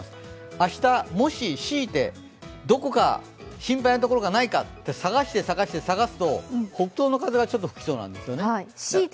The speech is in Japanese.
明日、もし強いてどこか心配なところがないかと探して、探して探すと北東の風が吹きそうなんですよ。